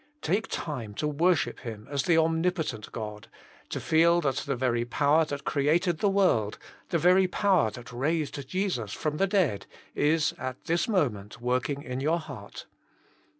Take time to worship Him as the om nipotent God, to feel that the very power that created the world, the very power that raised Jesus from the dead, is at this moment working in your heart.